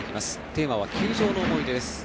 テーマは球場の思い出です。